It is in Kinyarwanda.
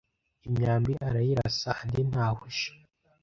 imyambi arayirasa andi ntahusha